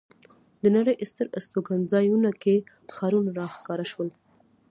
د نړۍ ستر استوګنځایونو کې ښارونه را ښکاره شول.